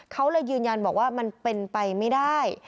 เขาเลยยืนยันบอกว่ามันเป็นไปไม่ได้